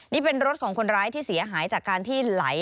นี่เป็นรถของคนร้ายที่เสียหายจากการที่ไหล